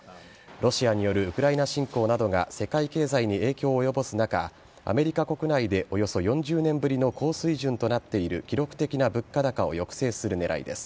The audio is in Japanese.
ロシアによるウクライナ侵攻などが世界経済に影響を及ぼす中アメリカ国内でおよそ４０年ぶりの高水準となっている記録的な物価高を抑制する狙いです。